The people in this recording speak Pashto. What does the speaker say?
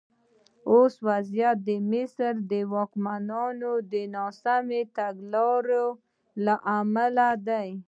اوسنی وضعیت د مصر د واکمنانو د ناسمو تګلارو له امله دی.